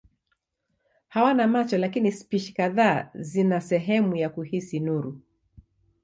Hawana macho lakini spishi kadhaa zina sehemu za kuhisi nuru.